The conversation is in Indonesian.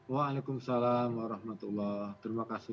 waalaikumsalam warahmatullahi wabarakatuh